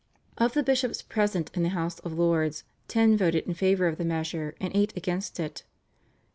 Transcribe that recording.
Of the bishops present in the House of Lords ten voted in favour of the measure and eight against it.